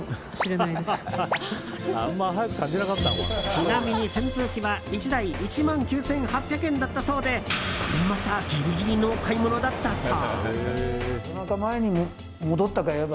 ちなみに扇風機は１台１万９８００円だったそうでこれまたぎりぎりの買い物だったそう。